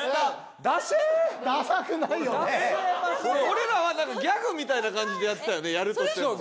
俺らはなんかギャグみたいな感じでやってたよねやるとしても。